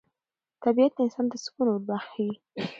طبیعت انسان ته سکون وربخښي